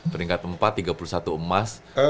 peringkat empat tiga puluh satu emas